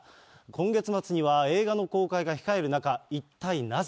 今月末には映画の公開が控える中、一体なぜ。